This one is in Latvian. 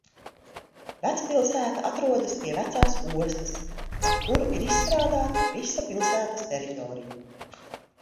Vecpilsēta atrodas pie vecās ostas, ap kuru ir izstrādāta visa pilsētas teritorija.